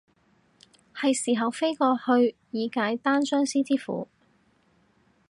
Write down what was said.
係時候飛過去以解單相思之苦